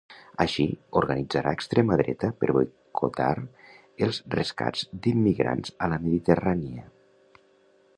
Així organitzarà extrema dreta per boicotar els rescats d'immigrants a la Mediterrània